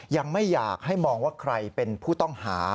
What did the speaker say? ยังไม่อยากให้มองว่าใครเป็นผู้ต้องหา